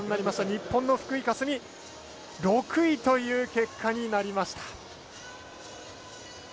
日本の福井香澄６位という結果になりました。